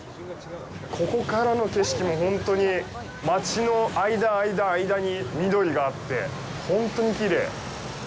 ここからの景色も、本当に町の間、間、間に緑があって本当にきれい。